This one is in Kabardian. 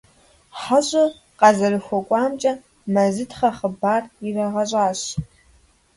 ХьэщӀэ къазэрыхуэкӀуамкӀэ Мэзытхьэ хъыбар ирагъэщӀащ.